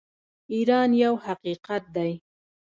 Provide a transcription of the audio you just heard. ایران یو حقیقت دی.